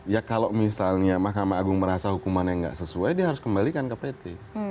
ya kalau misalnya mahkamah agung merasa hukumannya nggak sesuai dia harus kembalikan ke pt